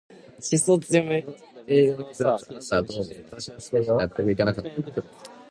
あの映画の結末、あなたはどう思う？私は少し納得いかなかったな。